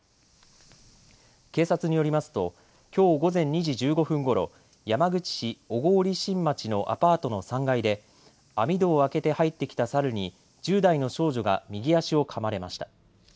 警察によりますときょう午前２時１５分ごろ山口県小郡新町のアパートの３階で網戸を開けて入ってきたサルに１０代の少女が右足をかまれました。